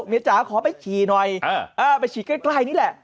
เมียจ๊ะขอไปฉีดหน่อยเออไปฉีดนี่แหละ